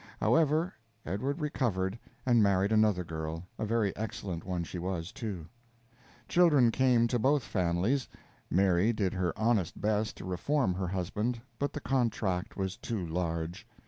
However, Edward recovered, and married another girl a very excellent one she was, too. Children came to both families. Mary did her honest best to reform her husband, but the contract was too large.